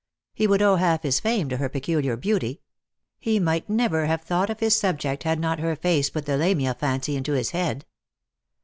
He would owe half his fame to her Eeculiar beauty. He might never have thought of his subject ad not her face put the Lamia fancy into his head.